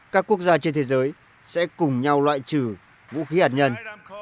các quốc gia trên thế giới sẽ cùng nhau loại trừ vũ khí hạt nhân